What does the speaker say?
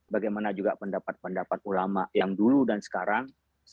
bagaimana juga pendapat pendapat ulama yang dulu dan sekarang